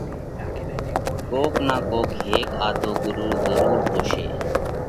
ڪوڪ نا ڪوڪ ھيڪ آڌو ڳرُو ضرُور ھوشي۔